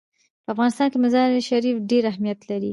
په افغانستان کې مزارشریف ډېر اهمیت لري.